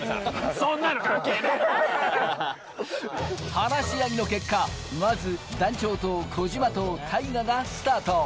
話し合いの結果、まず団長と小島とＴＡＩＧＡがスタート。